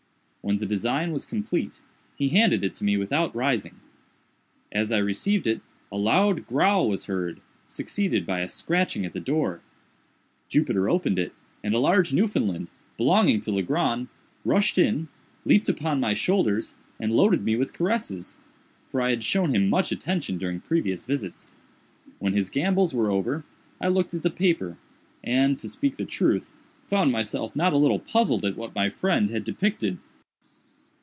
When the design was complete, he handed it to me without rising. As I received it, a loud growl was heard, succeeded by a scratching at the door. Jupiter opened it, and a large Newfoundland, belonging to Legrand, rushed in, leaped upon my shoulders, and loaded me with caresses; for I had shown him much attention during previous visits. When his gambols were over, I looked at the paper, and, to speak the truth, found myself not a little puzzled at what my friend had depicted.